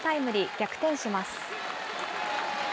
逆転します。